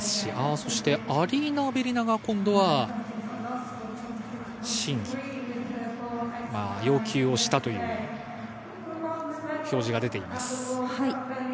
そしてアリーナ・アベリナが今度は審議、要求をしたという表示が出ています。